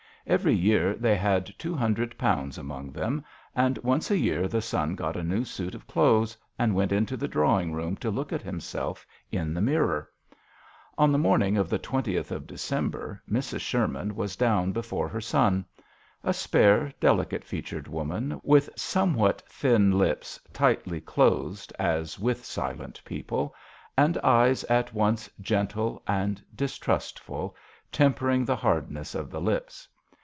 Every year they had two hundred pounds among them, and once a year the son got a new suit of clothes and went into the draw ing room to look at himself in the mirror. On the morning of the 20th of December Mrs. Sherman was down before her son. A spare, delicate featured woman, with somewhat thin lips tightly closed as with silent people, and eyes at once gentle and distrustful, tem pering the hardness of the lips.